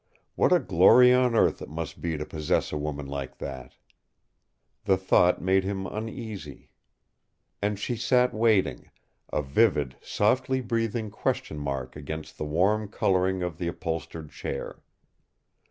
What a glory on earth it must be to possess a woman like that! The thought made him uneasy. And she sat waiting, a vivid, softly breathing question mark against the warm coloring of the upholstered chair.